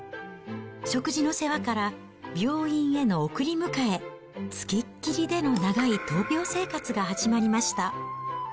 食事の世話から病院への送り迎え、つきっきりでの長い闘病生活が始まりました。